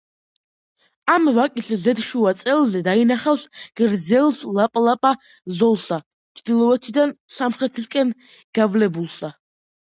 ამ ვაკის ზედშუა წელზე დაინახავს გრძელს ლაპლაპა ზოლსა, ჩრდილოეთიდან სამხრეთისაკენ გავლებულსა.